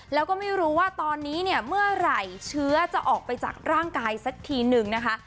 แล้วก็ไม่รู้ว่าตอนนี้เนี่ยเมื่อไหร่เชื้อจะออกไปจากร่างกายสักทีนึงนะคะ